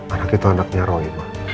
anak itu anaknya roy